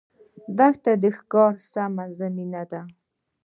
دښته د ښکار سمه زمینه ده.